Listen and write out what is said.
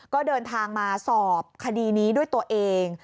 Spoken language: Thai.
ก็เดินทางมาสอบคดีนี้ด้วยตัวเอง